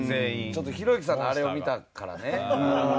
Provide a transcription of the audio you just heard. ちょっとひろゆきさんのあれを見たからねまあね。